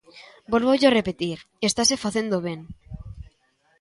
Vólvollo repetir: estase facendo ben.